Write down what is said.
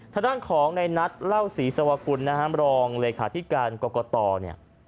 ทางด้านของในนัทเล่าศรีสวกุลนะครับรองเลขาธิการกรกตเนี่ย